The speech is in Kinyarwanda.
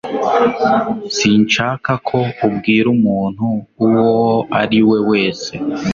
Sinshaka ko ubwira umuntu uwo ari we wese